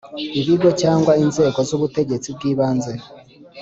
Ibigo cyangwa inzego z ubutegetsi bw ibanze